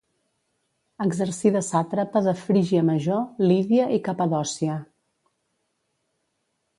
Exercí de sàtrapa de Frígia Major, Lídia i Capadòcia.